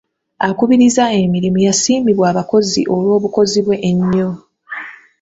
Akubiriza emirimu yasiimibwa abakozi olw'obukozi bwe ennyo.